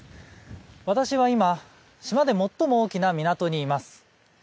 私は今、島で最も大きな港にいます。